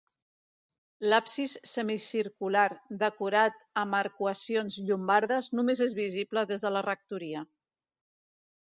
L'absis semicircular decorat amb arcuacions llombardes només és visible des de la rectoria.